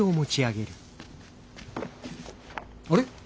あれ？